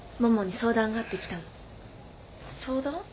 相談？